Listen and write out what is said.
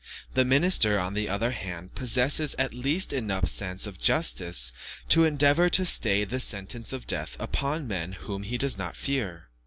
The minister, on the other hand, possesses at least enough sense of justice to endeavour to stay the sentence of death upon men whom he does not fear.